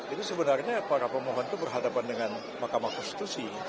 itu sebenarnya para pemohon itu berhadapan dengan mahkamah konstitusi